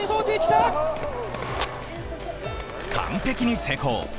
完璧に成功。